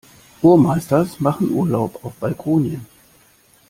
Burmeisters machen Urlaub auf Balkonien.